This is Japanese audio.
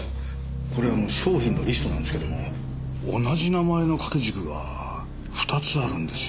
これ商品のリストなんですけども同じ名前の掛け軸が２つあるんですよ。